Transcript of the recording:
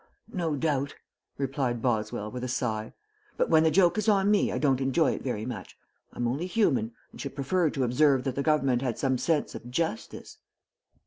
"No doubt," replied Boswell, with a sigh; "but when the joke is on me I don't enjoy it very much. I'm only human, and should prefer to observe that the government had some sense of justice."